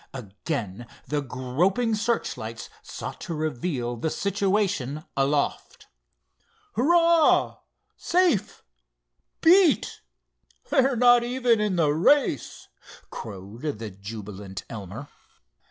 Again the groping searchlight sought to reveal the situation aloft. "Hurrah—safe! beat! They're not even in the race," crowed the jubilant Elmer.